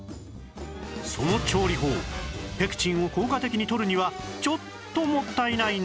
その調理法ペクチンを効果的にとるにはちょっともったいないんです